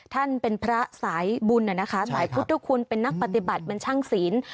ท่านเป็นพระสายบุญนะคะสายพุทธคุณเป็นนักปฏิบัติเป็นช่างศีล